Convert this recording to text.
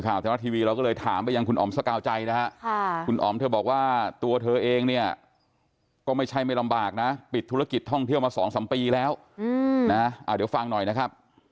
คำถามที่เกิดขึ้นตอนนี้พี่อ๋อมอยากจะบอกอะไรคะ